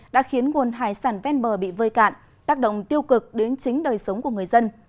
đã khiến nguồn hải sản ven bờ bị vơi cạn tác động tiêu cực đến chính đời sống của người dân